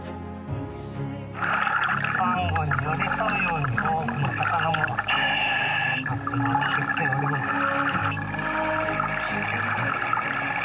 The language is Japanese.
サンゴに寄り添うように、多くの魚も集まってきております。